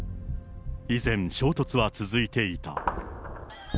依然、衝突は続いていた。